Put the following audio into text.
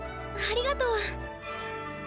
ありがとう。